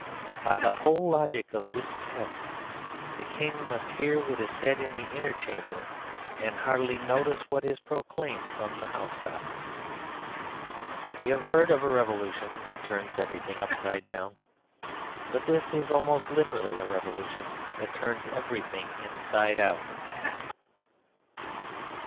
By the whole logic of this test, the king must hear what is said in the inner chamber and hardly notice what is proclaimed from the house tops. We have heard of a revolution that turns everything upside down. But this is almost literally a revolution that turns everything inside out.